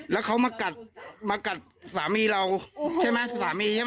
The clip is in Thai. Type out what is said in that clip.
แล้วเขามากัดมากัดสามีเราใช่ไหมสามีใช่ไหม